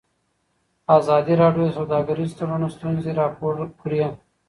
ازادي راډیو د سوداګریز تړونونه ستونزې راپور کړي.